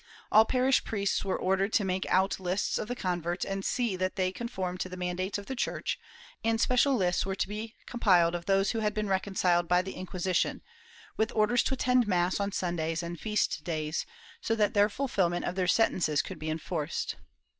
All parish priests were ordered to make out lists of the converts and see that they conformed to the mandates of the church, and special lists were to be compiled of those who had been reconciled by the Inquisition, with orders to attend mass on Sundays and feast days, so that their fulfilment of their sentences could be enforced.'